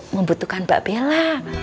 membutuhkan mbak bella